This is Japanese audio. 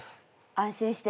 安心して。